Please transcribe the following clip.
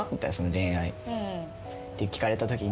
恋愛」って聞かれたときに